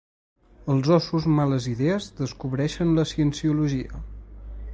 Els Ossos Males Idees descobreixen la Cienciologia.